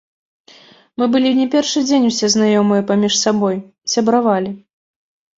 Мы былі не першы дзень усе знаёмыя паміж сабой, сябравалі.